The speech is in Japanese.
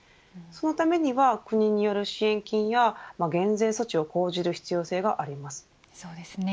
そのためには国による支援金や減税措置を講じる必要性があります。